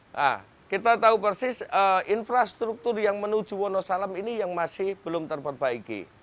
nah kita tahu persis infrastruktur yang menuju wonosalam ini yang masih belum terperbaiki